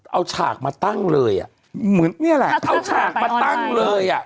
เอาฉากมาตั้งเลยอ่ะเหมือนเนี่ยแหละเอาฉากมาตั้งเลยอ่ะ